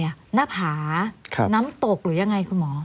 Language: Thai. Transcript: หน้าผาน้ำตกหรือยังไงคุณหมอ